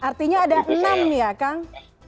artinya ada enam nih ya kang